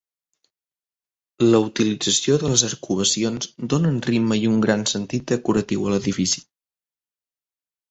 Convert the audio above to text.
La utilització de les arcuacions donen ritme i un gran sentit decoratiu a l'edifici.